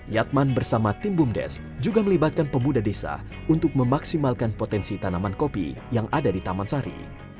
yatman bersama tim bumdes juga melibatkan pemuda desa untuk memaksimalkan potensi tanaman kopi yang ada di taman sari